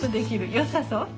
よさそう？